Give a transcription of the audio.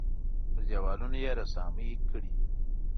پر دېوالونو یې رسامۍ کړي.